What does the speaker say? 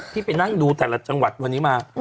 ไปนั่งดูแต่ละจังหวัดวันนี้มา